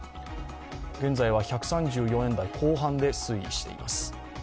現在は１３４円台後半で推移しています。